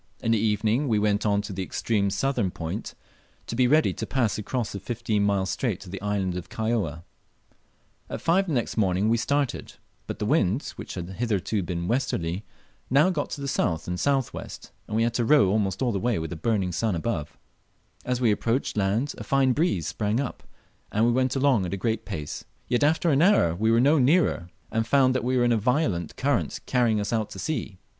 In the evening we went on to the extreme southern point, to be ready to pass across the fifteen mile strait to the island of Kaióa. At five the next morning we started, but the wind, which had hitherto been westerly, now got to the south and southwest, and we had to row almost all the way with a burning sun overhead. As we approached land a fine breeze sprang up, and we went along at a great pace; yet after an hour we were no nearer, and found we were in a violent current carrying us out to sea.